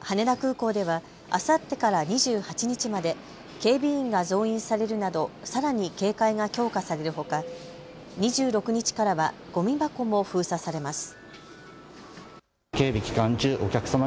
羽田空港ではあさってから２８日まで警備員が増員されるなど、さらに警戒が強化されるほか、２６日からはごみ箱も封鎖されます。